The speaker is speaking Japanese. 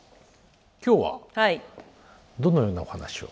今日はどのようなお話を？